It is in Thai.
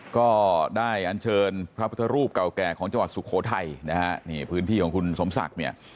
ก็ได้อันเชิญพระพุทธรูปเก่าแก่ของจังหวัดสุโขทัยนะฮะนี่พื้นที่ของคุณสมศักดิ์เนี่ย